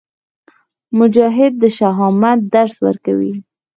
مجاهد د شهامت درس ورکوي.